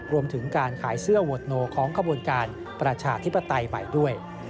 รวมถึงการขายเสื้อโหวตโนของขบวนการประชาธิปไตยใหม่ด้วย